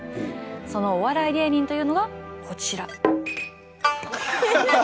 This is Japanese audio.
そのお笑い芸人というのがこちら。